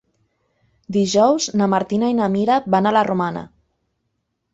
Dijous na Martina i na Mira van a la Romana.